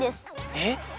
えっ！？